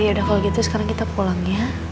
yaudah kalau gitu sekarang kita pulang ya